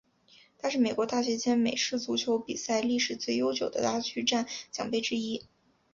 它是美国大学间美式足球比赛历史最悠久的拉锯战奖杯之一。